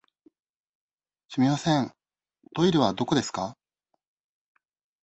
すみません、トイレはどこですか。